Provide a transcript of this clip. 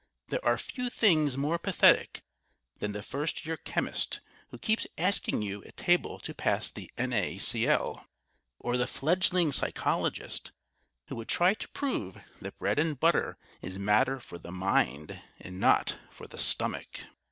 There are few things more pathetic than the first year chemist who keeps asking you at table to "pass the NaCl," or the fledgling psychologist who would try to prove that bread and butter is matter for the mind and not for the stomach.